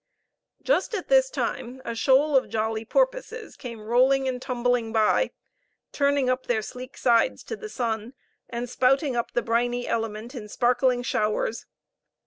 Just at this time a shoal of jolly porpoises came rolling and tumbling by, turning up their sleek sides to the sun, and spouting up the briny element in sparkling showers.